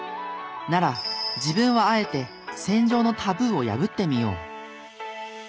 なら自分はあえて戦場のタブーを破ってみよう